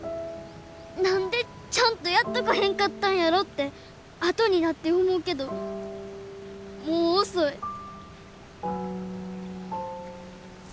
何でちゃんとやっとかへんかったんやろってあとになって思うけどもう遅い。